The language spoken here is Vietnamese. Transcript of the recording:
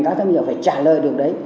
các doanh nghiệp phải trả lời được đấy